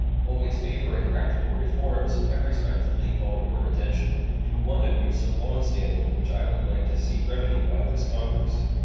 Always favoring practical reforms, I respectfully call your attention to one abuse of long standing which I would like to see remedied by this Congress.